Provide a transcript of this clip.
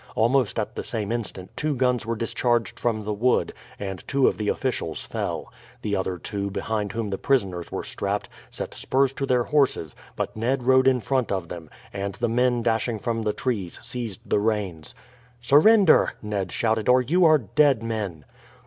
Almost at the same instant two guns were discharged from the wood, and two of the officials fell. The other two, behind whom the prisoners were strapped, set spurs to their horses; but Ned rode in front of them, and the men dashing from the trees seized the reins. "Surrender!" Ned shouted, "or you are dead men."